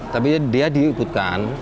tapi dia diikutkan